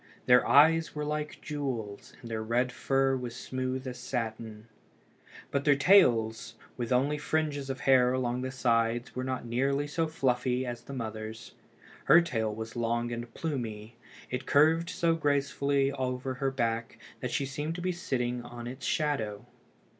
Their eyes were like jewels, and their red fur was smooth as satin. But their tails, with only fringes of hair along the sides, were not nearly so fluffy as the mother's. Her tail was long and plumy. It curved so gracefully over her back that she seemed to be sitting in its shadow.